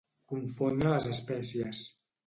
Confondre les espècies.